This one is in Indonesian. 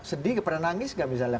sedih gak pernah nangis gak misalnya